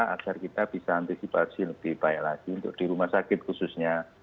agar kita bisa antisipasi lebih baik lagi untuk di rumah sakit khususnya